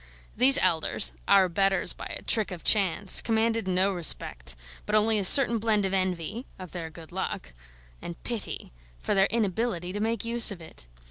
These elders, our betters by a trick of chance, commanded no respect, but only a certain blend of envy of their good luck and pity for their inability to make use of it.